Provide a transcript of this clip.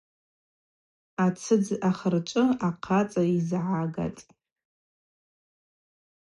Ацӏыдз ахырчӏвы ахъацӏа йзагатӏ.